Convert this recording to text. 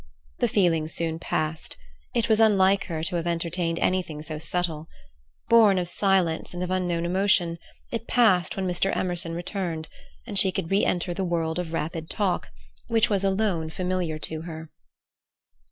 The feeling soon passed; it was unlike her to have entertained anything so subtle. Born of silence and of unknown emotion, it passed when Mr. Emerson returned, and she could re enter the world of rapid talk, which was alone familiar to her.